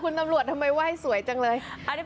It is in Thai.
คุณตำรวจทำไมไหว้สวยจังเลย